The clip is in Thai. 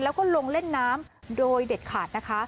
แล้วก็ลงเล่นน้ำโดยเด็ดขาดนะคะ